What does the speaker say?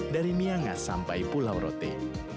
dari miangas sampai pulau rote